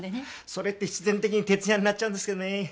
それって必然的に徹夜になっちゃうんですけどね。